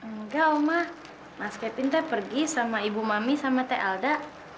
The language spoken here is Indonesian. enggak oma mas kevin teh pergi sama ibu mami sama teh alda